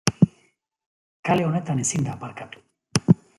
Kale honetan ezin da aparkatu.